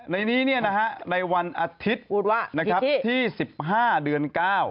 ในนี้ในวันอาทิตย์ที่๑๕เดือน๙